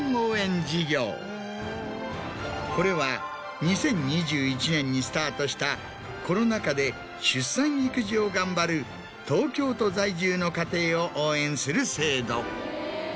これは２０２１年にスタートしたコロナ禍で出産・育児を頑張る東京都在住の家庭を応援する制度。